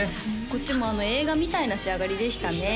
こっちも映画みたいな仕上がりでしたね